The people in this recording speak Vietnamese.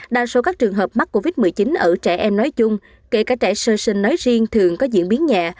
đa số các trường hợp mắc covid một mươi chín ở trẻ em nói chung kể cả trẻ sơ sinh nói riêng thường có diễn biến nhẹ